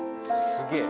すげえ！